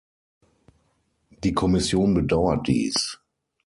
Die Kommission bedauert dies.